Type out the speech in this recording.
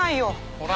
ほら！